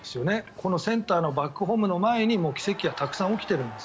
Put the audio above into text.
このセンターのバックホームの前にもう奇跡はたくさん起きているんです。